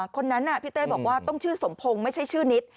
คนนั้นพี่เต้บอกว่าต้องชื่อสมพงศ์ไม่ใช่ชื่อนิด